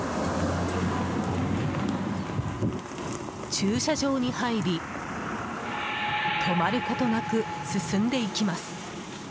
駐車場に入り止まることなく進んでいきます。